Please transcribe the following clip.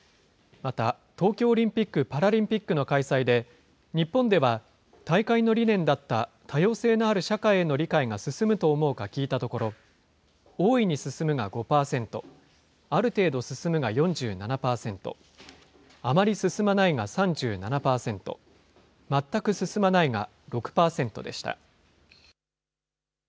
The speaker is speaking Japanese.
また、東京オリンピック・パラリンピックの開催で、日本では大会の理念だった多様性のある社会への理解が進むと思うか聞いたところ、大いに進むが５％、ある程度進むが４７％、あまり進まないが３７％、全く進まないが６％でした。